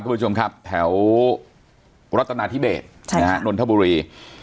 ผู้ชมครับแถวรัฐนาธิเบสนนทบุรี